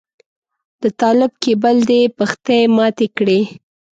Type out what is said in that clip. د طالب کيبل دې پښتۍ ماتې کړې.